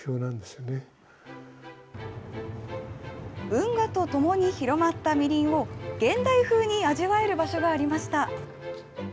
運河とともに広まったみりんを、現代風に味わえる場所がありました。